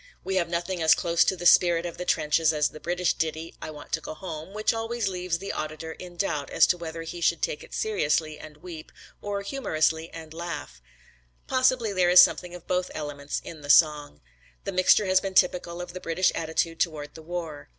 We have nothing as close to the spirit of the trenches as the British ditty "I want to go home," which always leaves the auditor in doubt as to whether he should take it seriously and weep or humorously and laugh. Possibly there is something of both elements in the song. The mixture has been typical of the British attitude toward the war.